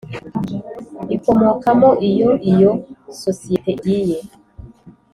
ikomokamo iyo iyo sosiyete igiye